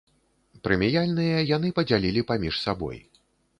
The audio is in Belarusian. Прэміяльныя яны падзялілі паміж сабой.